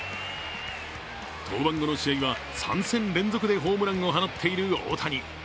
登板後の試合は３戦連続でホームランを放っている大谷。